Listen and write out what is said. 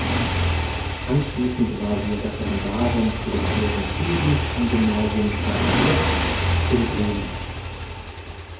Anschließend war sie Referendarin für den höheren Schuldienst am Gymnasium Kleine Helle in Bremen.